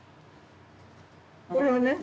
これはね